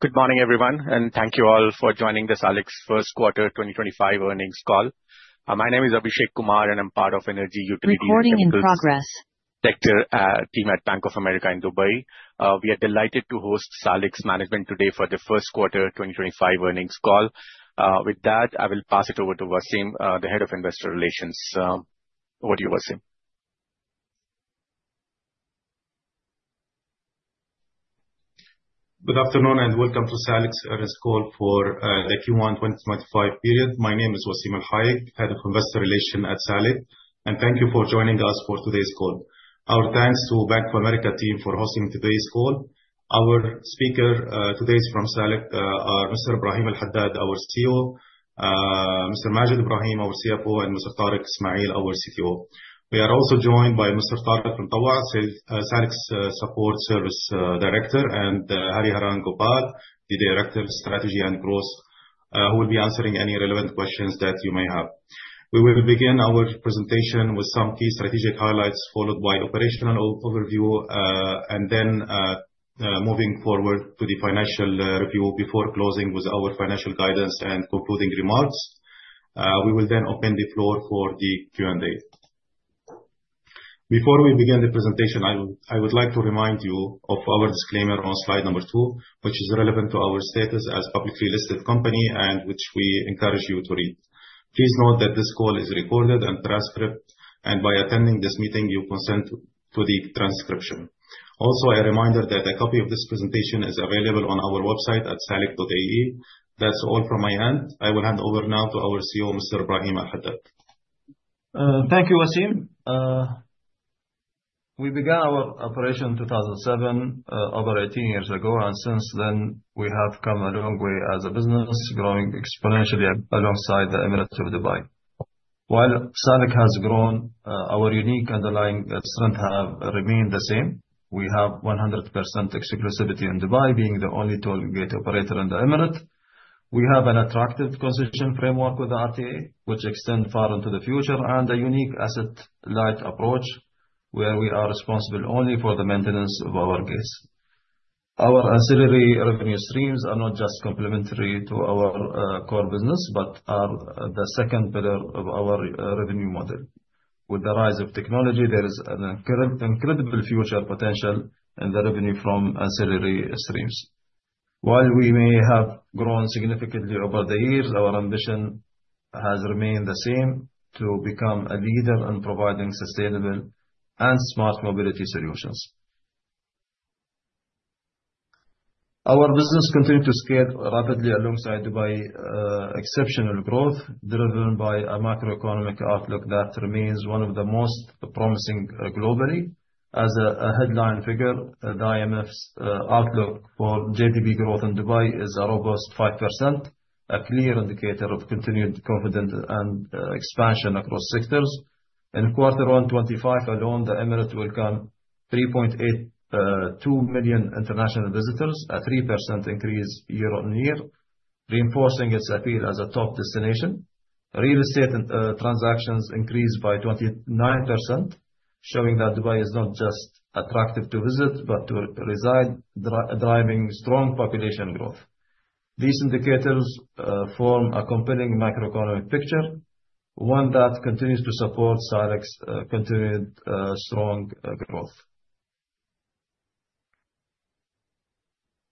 Good morning, everyone, and thank you all for joining the Salik's First Quarter 2025 Earnings Call. My name is Abhishek Kumar, and I'm part of Energy Utility Group. Recording in progress. Director, team at Bank of America in Dubai. We are delighted to host Salik's Management today for the first quarter 2025 earnings call. With that, I will pass it over to Wassim, the Head of Investor Relations. Over to you, Wassim. Good afternoon and welcome to Salik earnings call for the Q1 2025 period. My name is Wassim El Hayek, Head of Investor Relations at Salik, and thank you for joining us for today's call. Our thanks to the Bank of America team for hosting today's call. Our speaker today from Salik are Mr. Ibrahim Al Haddad, our CEO; Mr. Maged Ibrahim, our CFO; and Mr. Tariq Ismail, our CTO. We are also joined by Mr. Tariq Al Mutawa, Salik's Support Service Director; and Hariharan Gopal, the Director of Strategy and Growth, who will be answering any relevant questions that you may have. We will begin our presentation with some key strategic highlights, followed by an operational overview, and then, moving forward to the financial review before closing with our financial guidance and concluding remarks. We will then open the floor for the Q&A. Before we begin the presentation, I would like to remind you of our disclaimer on slide number two, which is relevant to our status as a publicly listed company and which we encourage you to read. Please note that this call is recorded and transcribed, and by attending this meeting, you consent to the transcription. Also, a reminder that a copy of this presentation is available on our website at salik.ae. That's all from my end. I will hand over now to our CEO, Mr. Ibrahim Al Haddad. Thank you, Wassim. We began our operation in 2007, over 18 years ago, and since then, we have come a long way as a business, growing exponentially alongside the Emirates of Dubai. While Salik has grown, our unique underlying strengths have remained the same. We have 100% exclusivity in Dubai, being the only toll gate operator in the Emirates. We have an attractive concession framework with the RTA, which extends far into the future, and a unique asset-light approach where we are responsible only for the maintenance of our gates. Our ancillary revenue streams are not just complementary to our core business but are the second pillar of our revenue model. With the rise of technology, there is an incredible future potential in the revenue from ancillary streams. While we may have grown significantly over the years, our ambition has remained the same: to become a leader in providing sustainable and smart mobility solutions. Our business continues to scale rapidly alongside Dubai's exceptional growth, driven by a macroeconomic outlook that remains one of the most promising globally. As a headline figure, the IMF's outlook for GDP growth in Dubai is a robust 5%, a clear indicator of continued confidence and expansion across sectors. In Q1 2025 alone, the Emirates will welcome 3.82 million international visitors, a 3% increase year-on-year, reinforcing its appeal as a top destination. Real estate transactions increased by 29%, showing that Dubai is not just attractive to visit but to reside, driving strong population growth. These indicators form a compelling macroeconomic picture, one that continues to support Salik's continued strong growth.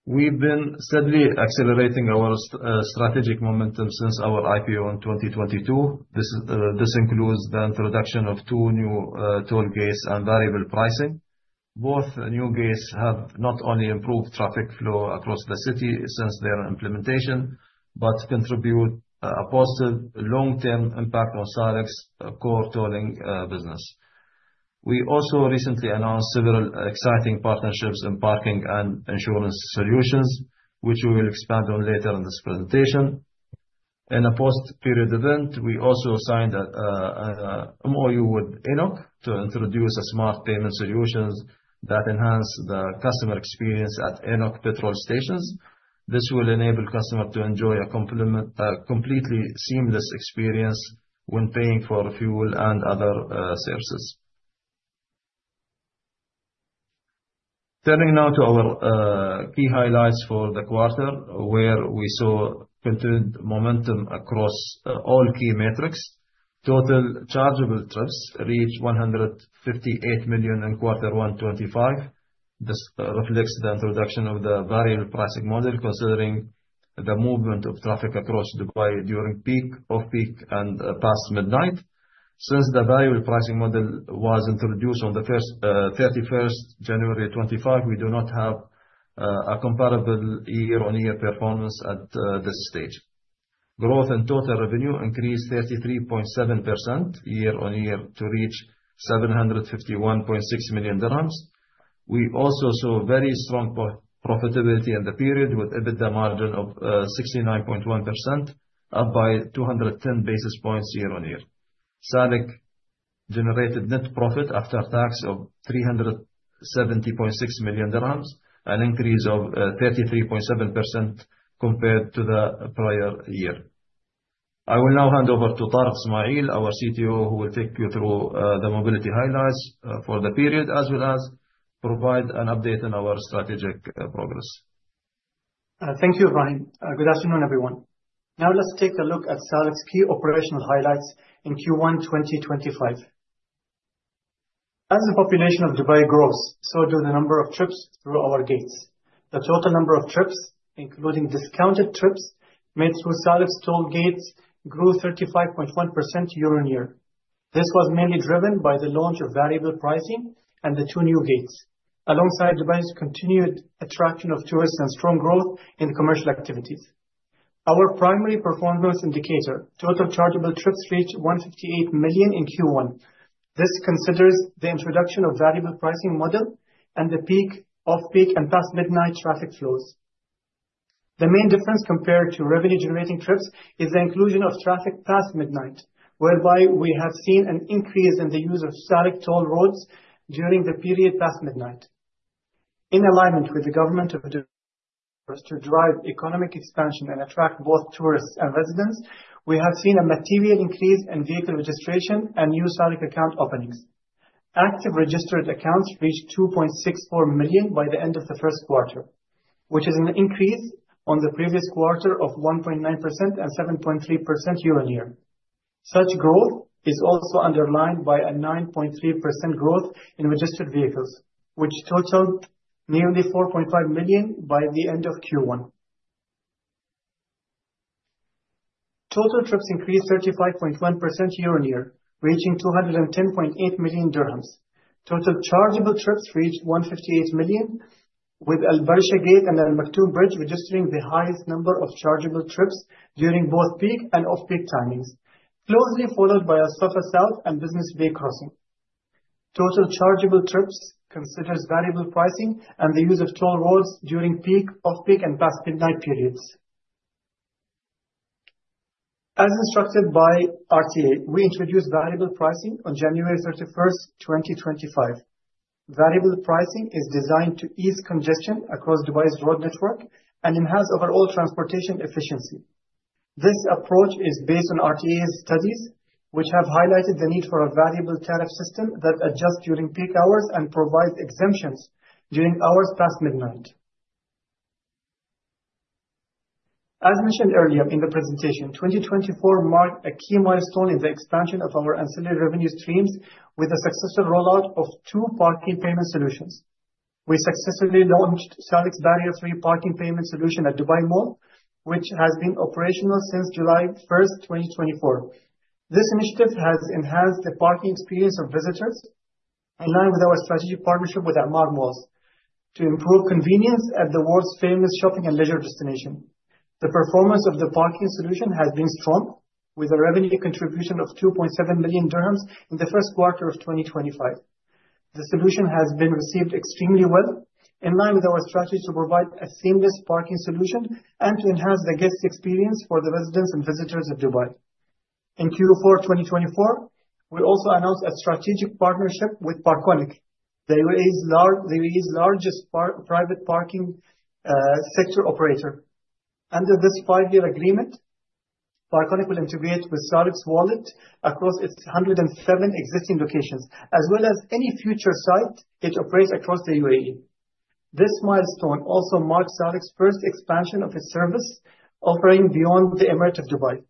We've been steadily accelerating our strategic momentum since our IPO in 2022. This includes the introduction of two new toll gates and variable pricing. Both new gates have not only improved traffic flow across the city since their implementation but contribute to a positive long-term impact on Salik's core tolling business. We also recently announced several exciting partnerships in parking and insurance solutions, which we will expand on later in this presentation. In a post-period event, we also signed an MOU with ENOC to introduce smart payment solutions that enhance the customer experience at ENOC petrol stations. This will enable customers to enjoy a completely seamless experience when paying for fuel and other services. Turning now to our key highlights for the quarter, where we saw continued momentum across all key metrics. Total chargeable trips reached 158 million in Q1 2025. This reflects the introduction of the variable pricing model, considering the movement of traffic across Dubai during peak, off-peak, and past midnight. Since the variable pricing model was introduced on the 31st of January 2025, we do not have a comparable year-on-year performance at this stage. Growth in total revenue increased 33.7% year-on-year to reach 751.6 million dirhams. We also saw very strong profitability in the period, with EBITDA margin of 69.1%, up by 210 basis points year-on-year. Salik generated net profit after tax of 370.6 million dirhams, an increase of 33.7% compared to the prior year. I will now hand over to Tariq Ismail, our CTO, who will take you through the mobility highlights for the period, as well as provide an update on our strategic progress. Thank you, Ibrahim. Good afternoon, everyone. Now, let's take a look at Salik's key operational highlights in Q1 2025. As the population of Dubai grows, so do the number of trips through our gates. The total number of trips, including discounted trips made through Salik's toll gates, grew 35.1% year-on-year. This was mainly driven by the launch of variable pricing and the two new gates, alongside Dubai's continued attraction of tourists and strong growth in commercial activities. Our primary performance indicator, total chargeable trips, reached 158 million in Q1. This considers the introduction of the variable pricing model and the peak, off-peak, and past midnight traffic flows. The main difference compared to revenue-generating trips is the inclusion of traffic past midnight, whereby we have seen an increase in the use of Salik toll roads during the period past midnight. In alignment with the government of Dubai to drive economic expansion and attract both tourists and residents, we have seen a material increase in vehicle registration and new Salik account openings. Active registered accounts reached 2.64 million by the end of the first quarter, which is an increase from the previous quarter of 1.9% and 7.3% year-on-year. Such growth is also underlined by a 9.3% growth in registered vehicles, which totaled nearly 4.5 million by the end of Q1. Total trips increased 35.1% year-on-year, reaching 210.8 million dirhams. Total chargeable trips reached 158 million, with Al Barsha Gate and Al Maktoum Bridge registering the highest number of chargeable trips during both peak and off-peak timings, closely followed by Al Safa South and Business Bay Crossing. Total chargeable trips considers variable pricing and the use of toll roads during peak, off-peak, and past midnight periods. As instructed by RTA, we introduced variable pricing on January 31st, 2025. Variable pricing is designed to ease congestion across Dubai's road network and enhance overall transportation efficiency. This approach is based on RTA's studies, which have highlighted the need for a variable tariff system that adjusts during peak hours and provides exemptions during hours past midnight. As mentioned earlier in the presentation, 2024 marked a key milestone in the expansion of our ancillary revenue streams with the successful rollout of two parking payment solutions. We successfully launched Salik's barrier-free parking payment solution at Dubai Mall, which has been operational since July 1st, 2024. This initiative has enhanced the parking experience of visitors, in line with our strategic partnership with Emaar Malls, to improve convenience at the world's famous shopping and leisure destination. The performance of the parking solution has been strong, with a revenue contribution of 2.7 million dirhams in the first quarter of 2025. The solution has been received extremely well, in line with our strategy to provide a seamless parking solution and to enhance the guest experience for the residents and visitors of Dubai. In Q4 2024, we also announced a strategic partnership with Parkonic, the world's largest private parking sector operator. Under this five-year agreement, Parkonic will integrate with Salik's Wallet across its 107 existing locations, as well as any future site it operates across the UAE. This milestone also marks Salik's first expansion of its service offering beyond the Emirate of Dubai.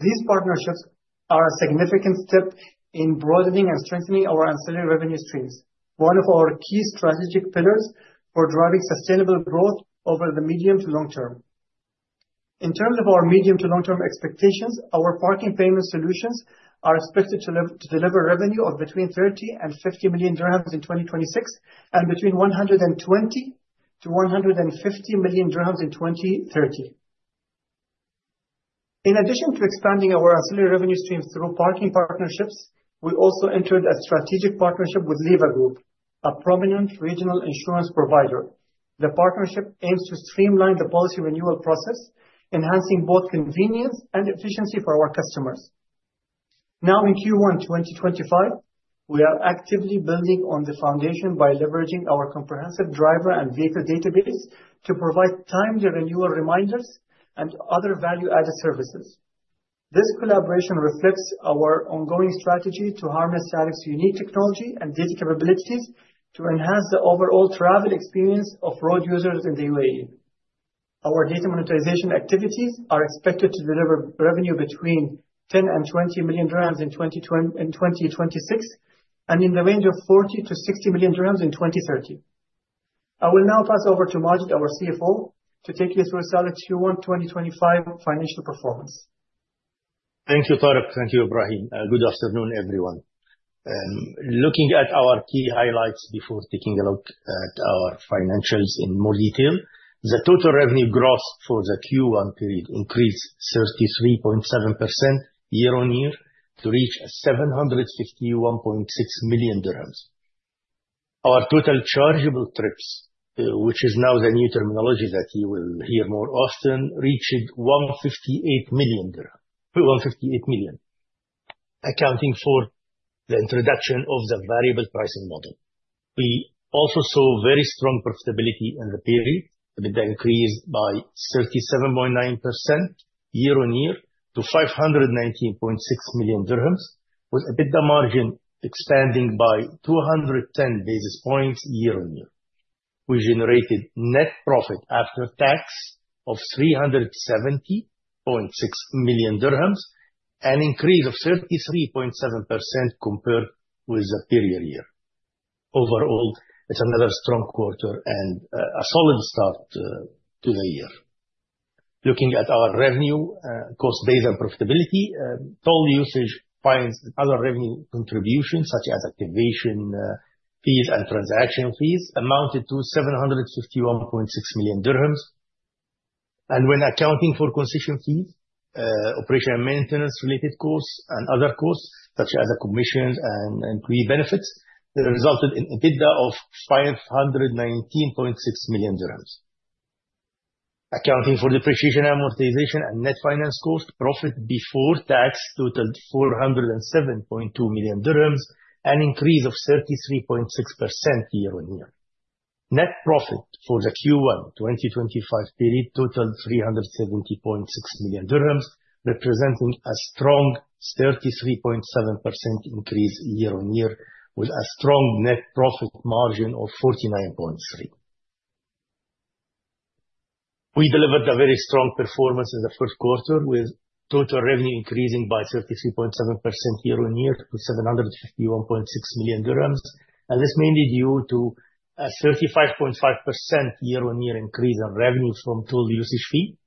These partnerships are a significant step in broadening and strengthening our ancillary revenue streams, one of our key strategic pillars for driving sustainable growth over the medium to long term. In terms of our medium to long-term expectations, our parking payment solutions are expected to deliver revenue of between 30 million and 50 million dirhams in 2026 and between 120 million-150 million dirhams in 2030. In addition to expanding our ancillary revenue streams through parking partnerships, we also entered a strategic partnership with Liva Group, a prominent regional insurance provider. The partnership aims to streamline the policy renewal process, enhancing both convenience and efficiency for our customers. Now, in Q1 2025, we are actively building on the foundation by leveraging our comprehensive driver and vehicle database to provide timely renewal reminders and other value-added services. This collaboration reflects our ongoing strategy to harness Salik's unique technology and data capabilities to enhance the overall travel experience of road users in the UAE. Our data monetization activities are expected to deliver revenue between 10 million and 20 million dirhams in 2026 and in the range of 40 million-60 million dirhams in 2030. I will now pass over to Maged, our CFO, to take you through Salik's Q1 2025 financial performance. Thank you, Tariq. Thank you, Ibrahim. Good afternoon, everyone. Looking at our key highlights before taking a look at our financials in more detail, the total revenue growth for the Q1 period increased 33.7% year-on-year to reach 751.6 million dirhams. Our total chargeable trips, which is now the new terminology that you will hear more often, reached 158 million, accounting for the introduction of the variable pricing model. We also saw very strong profitability in the period, with the increase by 37.9% year-on-year to AED 519.6 million, with EBITDA margin expanding by 210 basis points year-on-year. We generated net profit after tax of 370.6 million dirhams, an increase of 33.7% compared with the previous year. Overall, it is another strong quarter and a solid start to the year. Looking at our revenue, cost-based profitability, toll usage finds that other revenue contributions, such as activation fees and transaction fees, amounted to 751.6 million dirhams. When accounting for concession fees, operation and maintenance-related costs, and other costs, such as commissions and employee benefits, it resulted in EBITDA of 519.6 million dirhams. Accounting for depreciation amortization and net finance cost, profit before tax totaled 407.2 million dirhams, an increase of 33.6% year-on-year. Net profit for the Q1 2025 period totaled AED 370.6 million, representing a strong 33.7% increase year-on-year, with a strong net profit margin of 49.3%. We delivered a very strong performance in the first quarter, with total revenue increasing by 33.7% year-on-year to 751.6 million dirhams. This is mainly due to a 35.5% year-on-year increase in revenue from toll usage fees,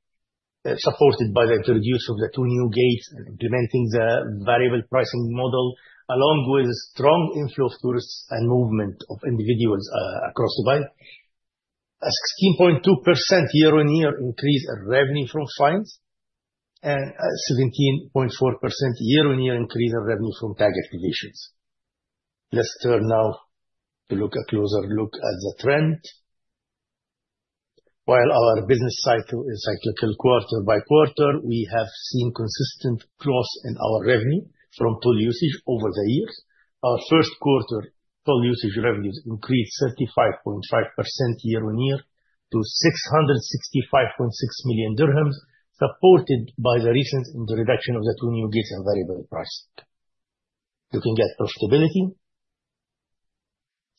supported by the introduction of the two new gates and implementing the variable pricing model, along with a strong inflow of tourists and movement of individuals across Dubai. A 16.2% year-on-year increase in revenue from fines and a 17.4% year-on-year increase in revenue from tag activations. Let's turn now to look at a closer look at the trend. While our business cycle is cyclical quarter by quarter, we have seen consistent growth in our revenue from toll usage over the years. Our first quarter toll usage revenues increased 35.5% year-on-year to 665.6 million dirhams, supported by the recent introduction of the two new gates and variable pricing. Looking at profitability,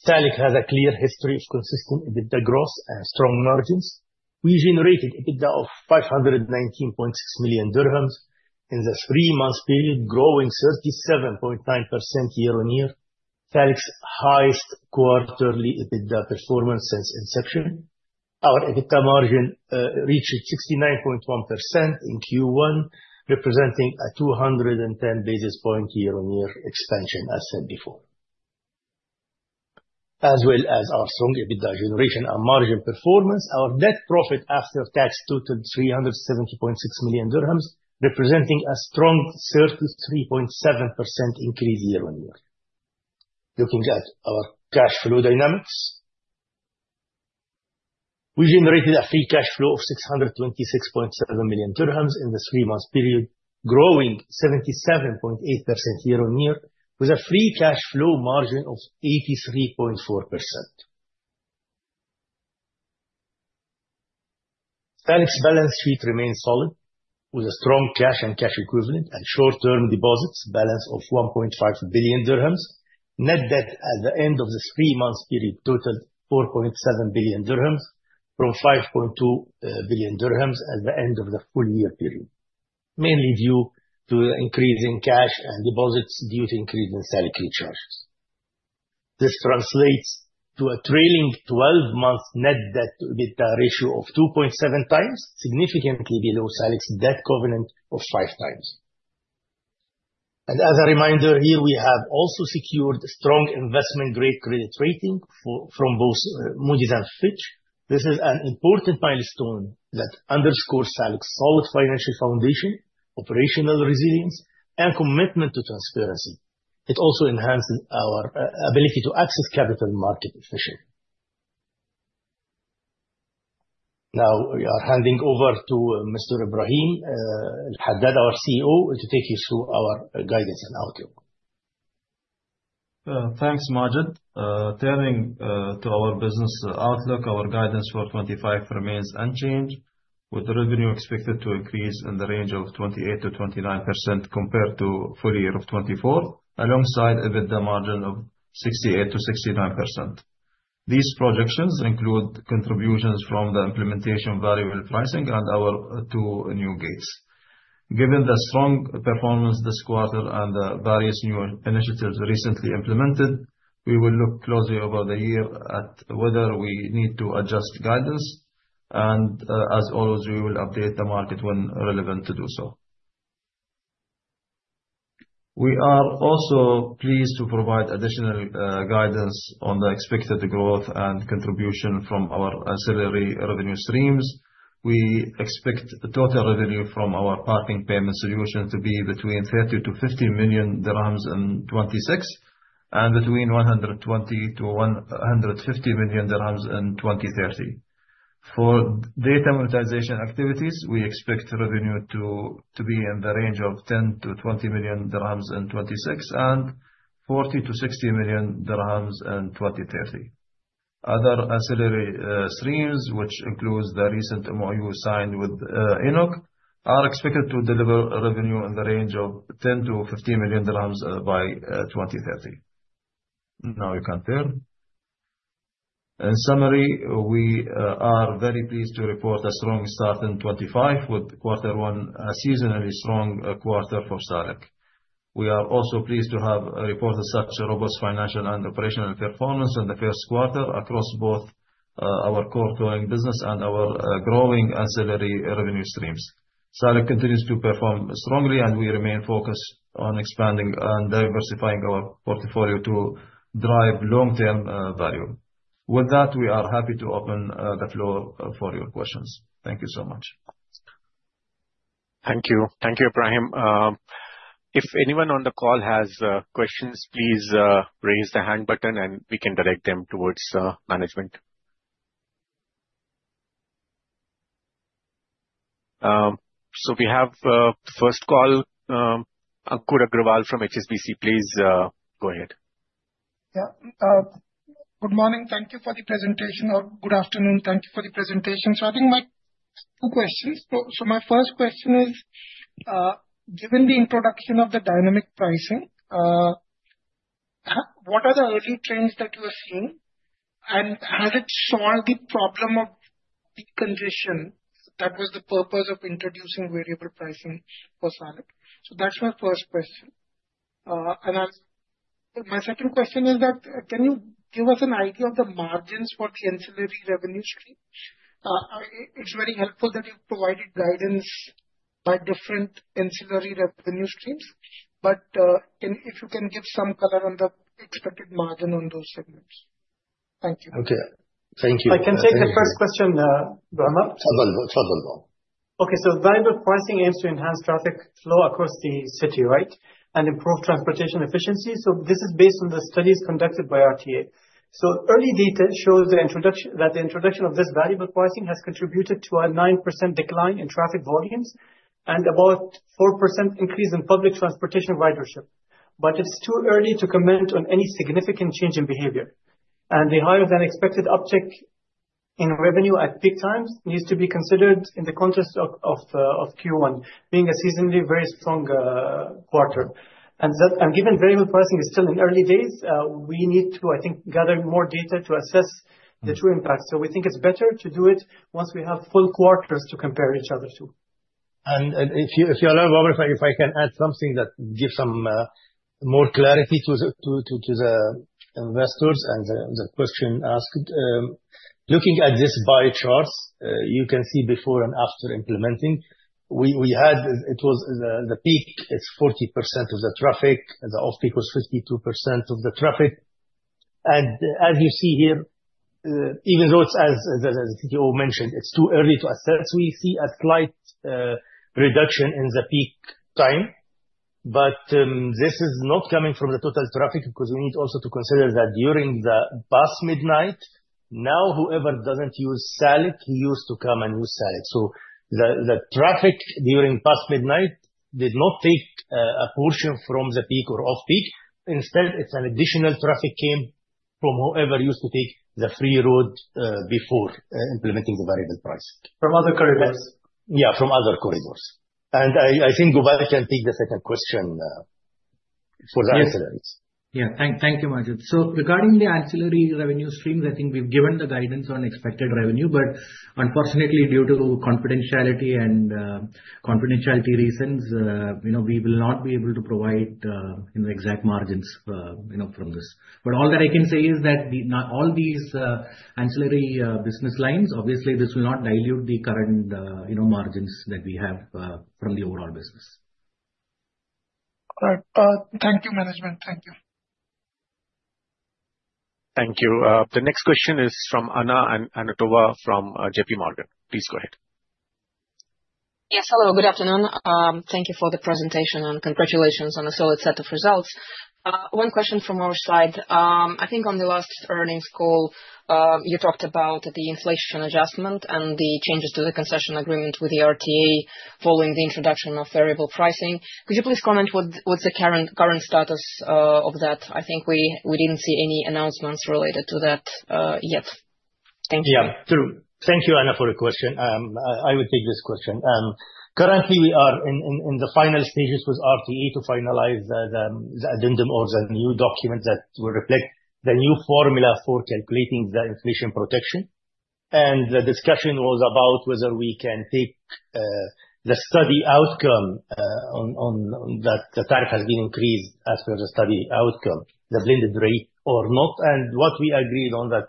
Salik has a clear history of consistent EBITDA growth and strong margins. We generated EBITDA of 519.6 million dirhams in the three-month period, growing 37.9% year-on-year, Salik's highest quarterly EBITDA performance since inception. Our EBITDA margin reached 69.1% in Q1, representing a 210 basis point year-on-year expansion, as said before. As well as our strong EBITDA generation and margin performance, our net profit after tax totaled 370.6 million dirhams, representing a strong 33.7% increase year-on-year. Looking at our cash flow dynamics, we generated a free cash flow of 626.7 million dirhams in the three-month period, growing 77.8% year-on-year, with a free cash flow margin of 83.4%. Salik's balance sheet remains solid, with a strong cash and cash equivalent and short-term deposits balance of 1.5 billion dirhams. Net debt at the end of the three-month period totaled AED 4.7 billion, from 5.2 billion dirhams at the end of the full-year period, mainly due to the increase in cash and deposits due to increasing Salik recharges. This translates to a trailing 12-month net debt-to-EBITDA ratio of 2.7x, significantly below Salik's debt covenant of five times. As a reminder, here we have also secured a strong investment-grade credit rating from both Moody's and Fitch. This is an important milestone that underscores Salik's solid financial foundation, operational resilience, and commitment to transparency. It also enhances our ability to access capital markets efficiently. Now, we are handing over to Mr. Ibrahim Al Haddad, our CEO, to take you through our guidance and outlook. Thanks, Maged. Turning to our business outlook, our guidance for 2025 remains unchanged, with revenue expected to increase in the range of 28%-29% compared to the full year of 2024, alongside an EBITDA margin of 68%-69%. These projections include contributions from the implementation of variable pricing and our two new gates. Given the strong performance this quarter and the various new initiatives recently implemented, we will look closely over the year at whether we need to adjust guidance. As always, we will update the market when relevant to do so. We are also pleased to provide additional guidance on the expected growth and contribution from our ancillary revenue streams. We expect total revenue from our parking payment solution to be between 30 million-50 million dirhams in 2026 and between 120 million-150 million dirhams in 2030. For data monetization activities, we expect revenue to be in the range of 10 million-20 million dirhams in 2026 and 40 million-60 million dirhams in 2030. Other ancillary streams, which include the recent MOU signed with ENOC, are expected to deliver revenue in the range of 10 million-15 million dirhams by 2030. Now, you can turn. In summary, we are very pleased to report a strong start in 2025, with Q1 a seasonally strong quarter for Salik. We are also pleased to have reported such robust financial and operational performance in the first quarter across both our core tolling business and our growing ancillary revenue streams. Salik continues to perform strongly, and we remain focused on expanding and diversifying our portfolio to drive long-term value. With that, we are happy to open the floor for your questions. Thank you so much. Thank you. Thank you, Ibrahim. If anyone on the call has questions, please raise the hand button, and we can direct them towards management. We have the first call, Ankur Aggarwal from HSBC. Please go ahead. Yeah. Good morning. Thank you for the presentation, or good afternoon. Thank you for the presentation. I think my two questions. My first question is, given the introduction of the dynamic pricing, what are the early trends that you are seeing, and has it solved the problem of decongestion? That was the purpose of introducing variable pricing for Salik. That is my first question. My second question is, can you give us an idea of the margins for the ancillary revenue stream? It is very helpful that you have provided guidance by different ancillary revenue streams, but if you can give some color on the expected margin on those segments. Thank you. Okay. Thank you. I can take the first question, Ibrahim. Okay. Variable pricing aims to enhance traffic flow across the city, right, and improve transportation efficiency. This is based on the studies conducted by RTA. Early data shows that the introduction of this variable pricing has contributed to a 9% decline in traffic volumes and about a 4% increase in public transportation ridership. It is too early to comment on any significant change in behavior. The higher-than-expected uptick in revenue at peak times needs to be considered in the context of Q1, being a seasonally very strong quarter. Given variable pricing is still in early days, we need to, I think, gather more data to assess the true impact. We think it is better to do it once we have full quarters to compare each other to. If you allow, Robert, if I can add something that gives some more clarity to the investors and the question asked, looking at these bar charts, you can see before and after implementing, we had, it was the peak, it's 40% of the traffic, the off-peak was 52% of the traffic. As you see here, even though it's, as the CTO mentioned, it's too early to assess, we see a slight reduction in the peak time. This is not coming from the total traffic because we need also to consider that during the past midnight, now whoever doesn't use Salik, he used to come and use Salik. The traffic during past midnight did not take a portion from the peak or off-peak. Instead, it's an additional traffic came from whoever used to take the free road before implementing the variable pricing. From other corridors. Yeah, from other corridors. I think Gopal can take the second question for the ancillary. Yes. Yeah. Thank you, Maged. So regarding the ancillary revenue streams, I think we've given the guidance on expected revenue, but unfortunately, due to confidentiality and confidentiality reasons, we will not be able to provide exact margins from this. All that I can say is that all these ancillary business lines, obviously, this will not dilute the current margins that we have from the overall business. All right. Thank you, management. Thank you. Thank you. The next question is from Anna Antonova from JPMorgan. Please go ahead. Yes. Hello. Good afternoon. Thank you for the presentation, and congratulations on a solid set of results. One question from our side. I think on the last earnings call, you talked about the inflation adjustment and the changes to the concession agreement with the RTA following the introduction of variable pricing. Could you please comment what's the current status of that? I think we didn't see any announcements related to that yet. Thank you. Yeah. Thank you, Anna, for the question. I would take this question. Currently, we are in the final stages with RTA to finalize the addendum or the new document that will reflect the new formula for calculating the inflation protection. The discussion was about whether we can take the study outcome on that the tariff has been increased as per the study outcome, the blended rate or not. What we agreed on is that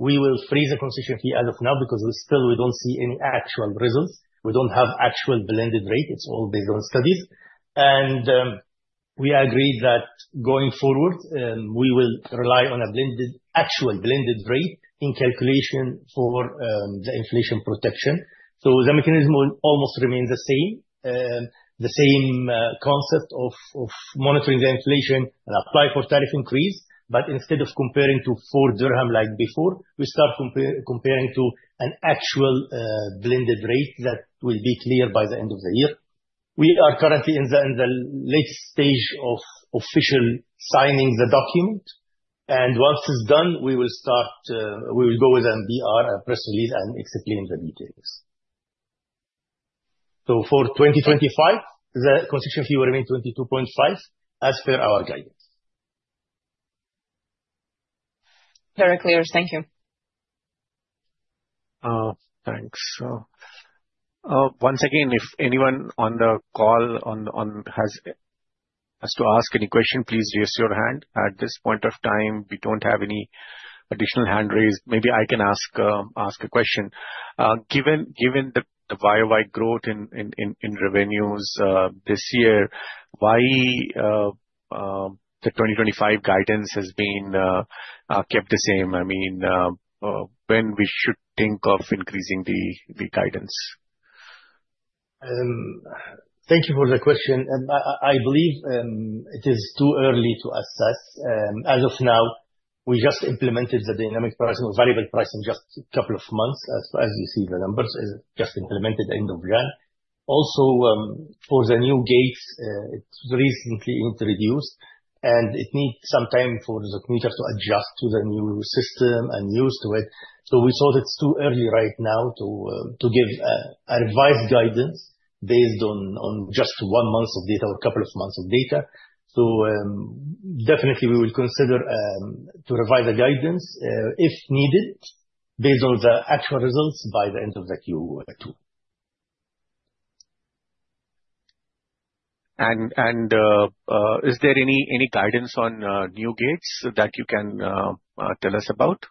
we will freeze the concession fee as of now because still we do not see any actual results. We do not have actual blended rate. It is all based on studies. We agreed that going forward, we will rely on an actual blended rate in calculation for the inflation protection. The mechanism almost remains the same, the same concept of monitoring the inflation and apply for tariff increase. Instead of comparing to 4 dirham like before, we start comparing to an actual blended rate that will be clear by the end of the year. We are currently in the latest stage of officially signing the document. Once it is done, we will go with MBR, a press release, and explain the details. For 2025, the concession fee will remain 22.5% as per our guidance. Very clear. Thank you. Thanks. Once again, if anyone on the call has to ask any question, please raise your hand. At this point of time, we do not have any additional hand raised. Maybe I can ask a question. Given the YoY growth in revenues this year, why the 2025 guidance has been kept the same? I mean, when we should think of increasing the guidance? Thank you for the question. I believe it is too early to assess. As of now, we just implemented the dynamic pricing or variable pricing just a couple of months. As you see the numbers, it is just implemented at the end of June. Also, for the new gates, it was recently introduced, and it needs some time for the commuter to adjust to the new system and use to it. We thought it is too early right now to give a revised guidance based on just one month of data or a couple of months of data. Definitely, we will consider to revise the guidance if needed based on the actual results by the end of Q2. Is there any guidance on new gates that you can tell us about?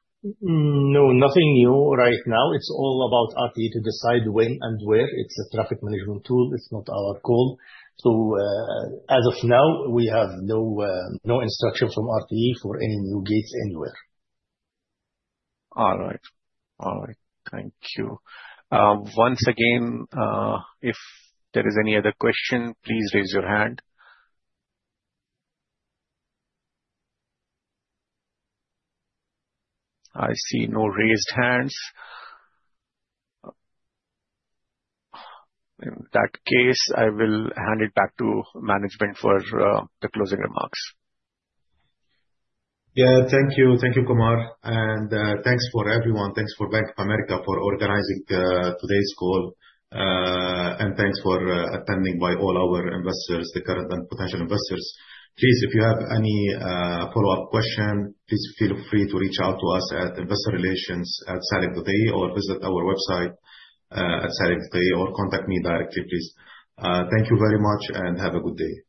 No, nothing new right now. It's all about RTA to decide when and where. It's a traffic management tool. It's not our call. As of now, we have no instruction from RTA for any new gates anywhere. All right. Thank you. Once again, if there is any other question, please raise your hand. I see no raised hands. In that case, I will hand it back to management for the closing remarks. Yeah. Thank you. Thank you, Kumar. Thank you for everyone. Thank you to Bank of America for organizing today's call. Thank you for attending, all our investors, the current and potential investors. Please, if you have any follow-up question, please feel free to reach out to us at investorrelations@salik.ae or visit our website at salik.ae or contact me directly, please. Thank you very much and have a good day.